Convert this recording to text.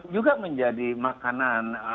juga menjadi makanan